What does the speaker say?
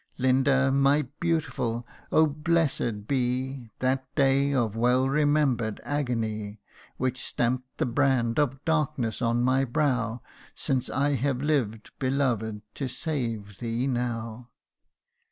Linda, my beautiful ! oh, blessed be That day of well remember'd agony Which stamp'd the brand of darkness on my brow Since I have lived, beloved, to save thee now."